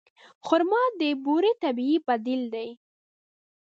خرما د بوري طبیعي بدیل دی.